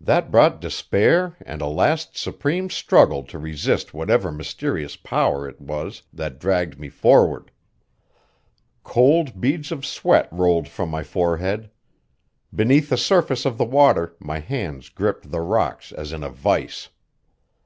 That brought despair and a last supreme struggle to resist whatever mysterious power it was that dragged me forward. Cold beads of sweat rolled from my forehead. Beneath the surface of the water my hands gripped the rocks as in a vise.